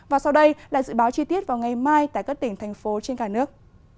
và sau đây là dự báo chi tiết vào ngày mai tại các tỉnh thành phố trên cả nước